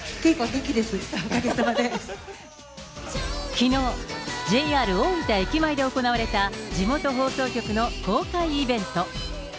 きのう、ＪＲ大分駅前で行われた地元放送局の公開イベント。